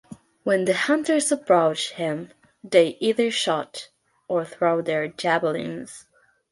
When the hunters approach him, they either shoot or throw their javelins.